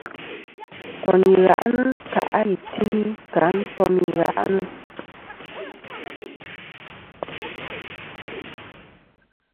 Ntoyn i gha'nɨ kà' a i timi kɨ a ntom i gha'nɨ.